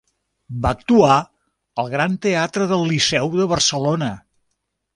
Va actuar al Gran Teatre del Liceu de Barcelona.